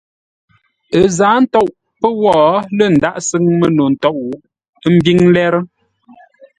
Ə́ zǎa ntôʼ pə́ wó lə̂ ndághʼ sʉ́ŋ məno ntôʼ, ə́ mbíŋ lérə́.